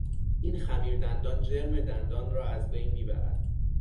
این خمیر دندان جرم دندان را از بین میبرد.